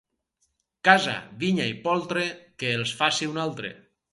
Casa, vinya i poltre, que els faci un altre.